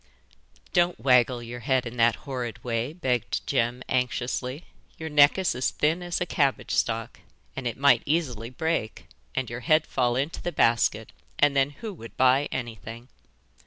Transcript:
'Don't waggle your head in that horrid way,' begged Jem anxiously. 'Your neck is as thin as a cabbage stalk, and it might easily break and your head fall into the basket, and then who would buy anything?